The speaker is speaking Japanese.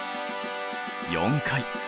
４回。